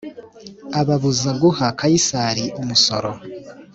ababuza guha Kayisari umusoro